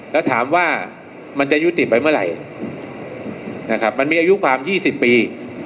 แล้วถามว่ามันจะยุติไปเมื่อไหร่นะครับมันมีอายุความ๒๐ปี